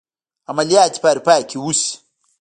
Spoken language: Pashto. عملیات دې په اروپا کې وشي.